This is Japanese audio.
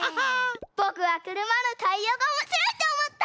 ぼくはくるまのタイヤがおもしろいとおもった！